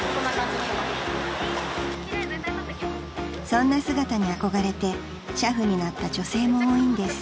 ［そんな姿に憧れて俥夫になった女性も多いんです］